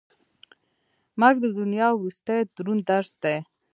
مرګ د دنیا وروستی دروند درس دی.